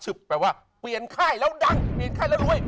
ออกไปกินแหลกเปลี่ยนข้ายแล้วดังเปลี่ยนข้ายแล้วรวย